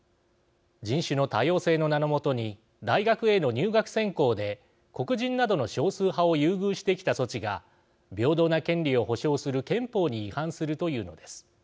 人種の多様性の名のもとに大学への入学選考で黒人などの少数派を優遇してきた措置が平等な権利を保障する憲法に違反するというのです。